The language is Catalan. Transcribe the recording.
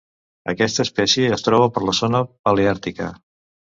Aquesta espècie es troba per la zona paleàrtica.